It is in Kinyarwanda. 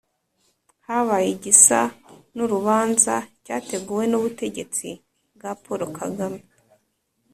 habaye igisa n'urubanza cyateguwe n'ubutegetsi bwa paul kagame